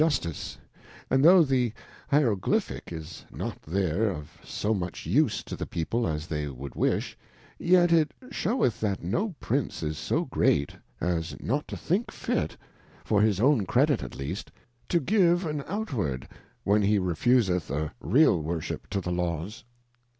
jJustice: and tho' the Hierogly pfaick is not there of so much use to the People as they would wish, yet it sheweth that no Prince is so^Great, as not to think fit^for his own Credit at least, to give an outward, when he re fuseth a real_worship to the Laws.